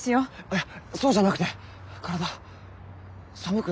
いやそうじゃなくて体寒くないですか？